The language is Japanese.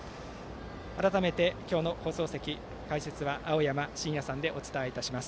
改めて今日の放送席解説は青山眞也さんでお伝えします。